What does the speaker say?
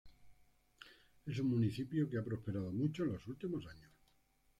Es un municipio que ha prosperado mucho en los últimos años.